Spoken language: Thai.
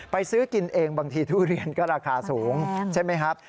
ซื้อกินเองบางทีทุเรียนก็ราคาสูงใช่ไหมครับ